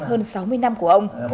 hơn sáu mươi năm của ông